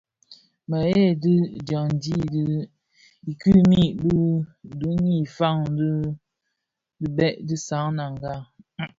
Mëdheb: dyandi i kimii bi duň yi fan dhi bibek bi Sananga.